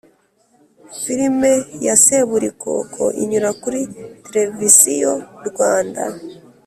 Filime ya seburikoko inyura kuri televisiyo rwanda